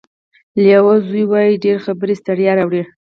لیو زو وایي ډېرې خبرې ستړیا راوړي.